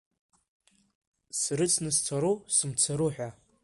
Срыцны сцару, сымцару ҳәа.